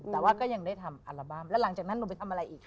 แต่ว่าก็ยังได้ทำอัลบั้มแล้วหลังจากนั้นหนูไปทำอะไรอีกคะ